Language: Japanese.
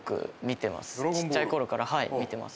ちっちゃい頃からはい見てます